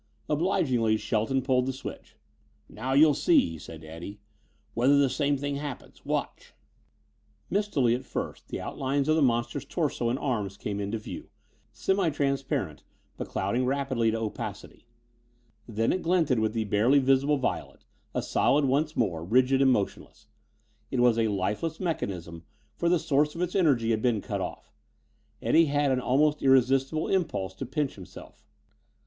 Obligingly, Shelton pulled the switch. "Now you'll see," he said to Eddie, "whether the same thing happens. Watch." Mistily at first, the outlines of the monster's torso and arms came into view, semi transparent but clouding rapidly to opacity. Then it glinted with the barely visible violet, a solid once more, rigid and motionless. It was a lifeless mechanism, for the source of its energy had been cut off. Eddie had an almost irresistible impulse to pinch himself.